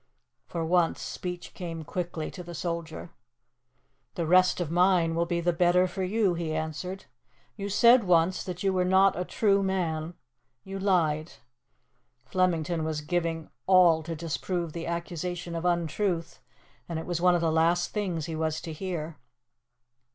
For once speech came quickly to the soldier. "The rest of mine will be the better for you," he answered. "You said once that you were not a true man. You lied." Flemington was giving all to disprove the accusation of untruth, and it was one of the last things he was to hear.